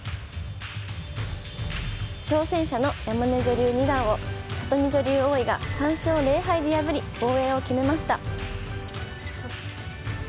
挑戦者の山根女流二段を里見女流王位が３勝０敗で破り防衛を決めました。